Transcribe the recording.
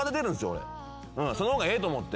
俺その方がええと思って。